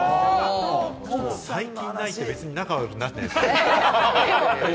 最近ないって、別に仲悪くなってないですよ。